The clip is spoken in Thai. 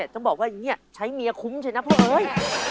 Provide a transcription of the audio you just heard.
ต้องบอกว่าอย่างนี้ใช้เมียคุ้มเลยนะพวกเอ้ย